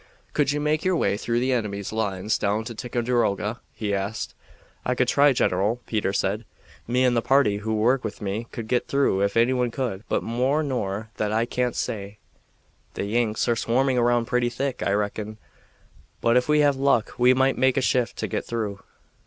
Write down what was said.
"Could you make your way through the enemy's lines down to Ticonderoga?" he asked. "I could try, general," Peter said. "Me and the party who work with me could get through if anyone could, but more nor that I can't say. The Yanks are swarming around pretty thick, I reckon; but if we have luck we might make a shift to get through."